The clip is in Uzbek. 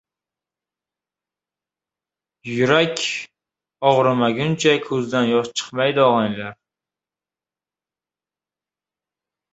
• Yurak og‘rimaguncha ko‘zdan yosh chiqmaydi.